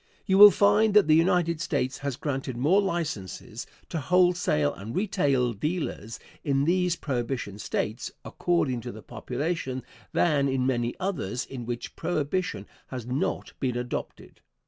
You will find that the United States has granted more licenses to wholesale and retail dealers in these prohibition States, according to the population, than in many others in which prohibition has not been adopted.